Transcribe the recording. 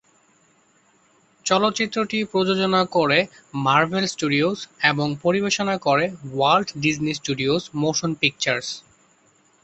চলচ্চিত্রটি প্রযোজনা করে মার্ভেল স্টুডিওজ এবং পরিবেশনা করে Walt Disney Studios Motion pictures.